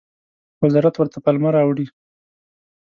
وزارت ورته پلمه راوړي.